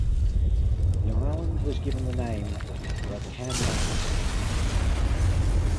The island was given the name 'Rattanakosin'.